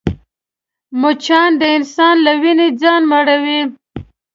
مچان د انسان له وینې ځان مړوي